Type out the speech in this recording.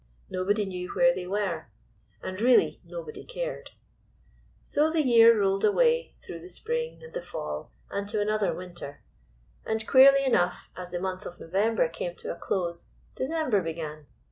Nobody knew where they were, and really no body cared. So the year rolled away through the spring and the fall and to another winter. And, queerly enough, as the month of November came to a close, December began.